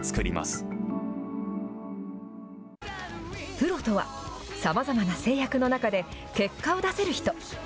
プロとはさまざまな制約の中で結果を出せる人。